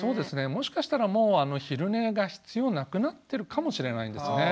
もしかしたらもう昼寝が必要なくなってるかもしれないんですね。